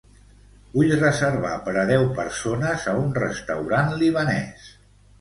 Vull reservar per a deu persones a un restaurant libanès.